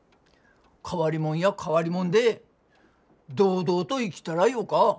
変わりもんや変わりもんで堂々と生きたらよか。